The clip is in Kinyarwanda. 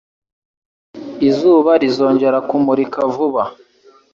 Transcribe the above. Izuba rizongera kumurika vuba.